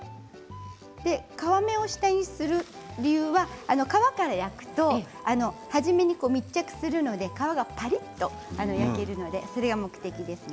皮目を下にする理由は皮から焼くと初めに密着するので皮がパリっと焼けるのでそれが目的ですね。